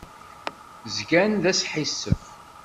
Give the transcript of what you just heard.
Zgan d asḥissef.